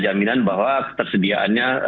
jaminan bahwa tersediaannya